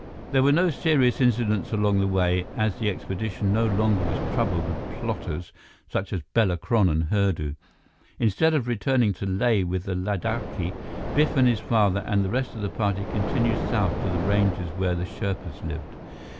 There were no serious incidents along the way, as the expedition no longer was troubled with plotters such as Bela Kron and Hurdu. Instead of returning to Leh with the Ladakhi, Biff and his father and the rest of the party continued south to the ranges where the Sherpas lived.